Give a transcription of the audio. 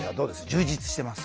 充実してます？